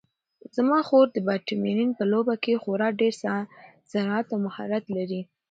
زما خور د بدمینټن په لوبه کې خورا ډېر سرعت او مهارت لري.